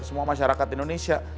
semua masyarakat indonesia